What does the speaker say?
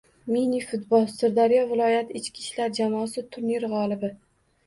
Mini-futbol: Sirdaryo viloyati ichki ishlar jamoasi – turnir g‘olibi